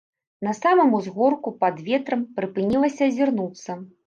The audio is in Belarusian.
На самым узгорку пад ветрам прыпынілася азірнуцца.